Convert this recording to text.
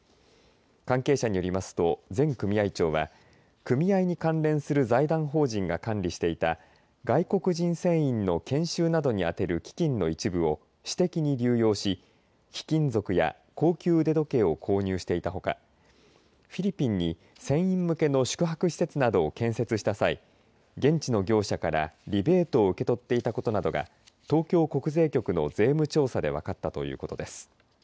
関係者によりますと前組合長は組合に関連する財団法人が管理していた外国人船員の研修などに充てる基金の一部を私的に流用し貴金属や高級腕時計を購入していたほかフィリピンに船員向けの宿泊施設などを建設した際現地の業者からリベートを受け取っていたことなどが東京国税局の税務調査で分かったということです。